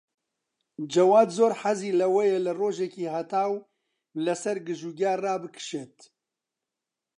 جەواد زۆر حەزی لەوەیە لە ڕۆژێکی هەتاو لەسەر گژوگیا ڕابکشێت.